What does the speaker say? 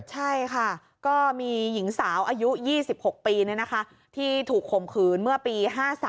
ใช่ค่ะก็มีหญิงสาวอายุ๒๖ปีที่ถูกข่มขืนเมื่อปี๕๓